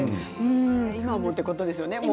今もということですよね